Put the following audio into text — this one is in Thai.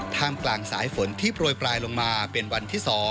กลางสายฝนที่โปรยปลายลงมาเป็นวันที่๒